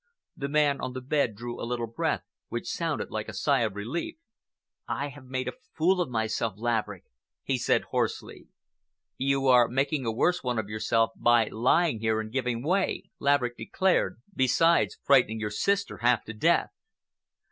The man on the bed drew a little breath which sounded like a sigh of relief. "I have made a fool of myself, Laverick," he said hoarsely. "You are making a worse one of yourself by lying here and giving way," Laverick declared, "besides frightening your sister half to death."